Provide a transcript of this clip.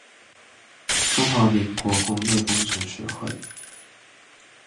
中華民國工業工程學會